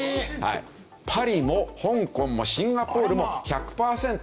パリも香港もシンガポールも１００パーセント。